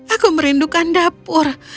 aku merindukan dapur